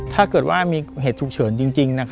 ถ้าเกิดว่ามีเหตุฉุกเฉินจริง